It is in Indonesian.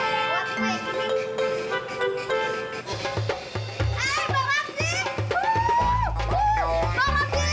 lihat nih dia a lal né lal rasanya bapak diiffer